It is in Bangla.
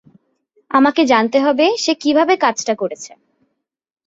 আমাকে জানতে হবে সে কীভাবে কাজটা করেছে।